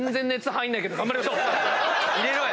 入れろよ！